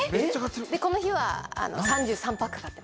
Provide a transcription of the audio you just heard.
でこの日は３３パック買ってます。